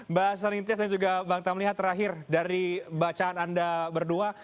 mbak sarintia saya juga bangga melihat terakhir dari bacaan anda berdua